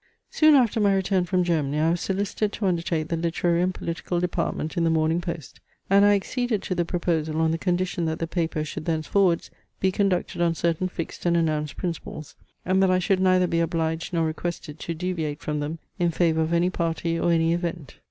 Soon after my return from Germany I was solicited to undertake the literary and political department in the Morning Post; and I acceded to the proposal on the condition that the paper should thenceforwards be conducted on certain fixed and announced principles, and that I should neither be obliged nor requested to deviate from them in favour of any party or any event.